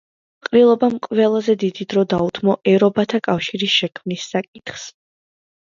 ყრილობამ ყველაზე დიდი დრო დაუთმო ერობათა კავშირის შექმნის საკითხს.